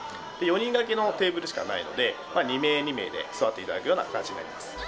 ４人掛けのテーブルしかないので、２名２名で座っていただくような形になります。